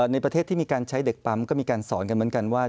ในประเทศที่มีการใช้เด็กปั๊มก็มีการสอนกันเหมือนกันว่า